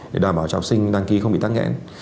để đảm bảo cho học sinh đăng ký không bị tắc nghẽn